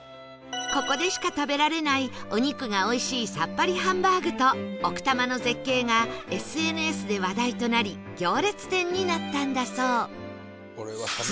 ここでしか食べられないお肉がおいしいさっぱりハンバーグと奥多摩の絶景が ＳＮＳ で話題となり行列店になったんだそう